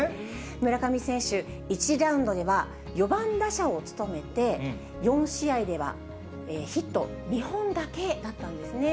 村上選手、１次ラウンドでは４番打者を務めて、４試合ではヒット２本だけだったんですね。